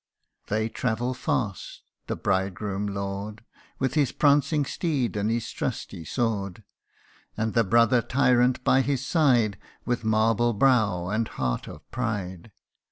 They travel, fast the bridegroom lord, With his prancing steed and his trusty sword ; And the brother tyrant by his side, With marble brow and heart of pride.